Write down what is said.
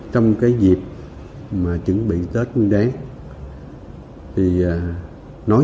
nhưng mà thật sự mà nói